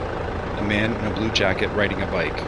A man in a blue jacket riding a bike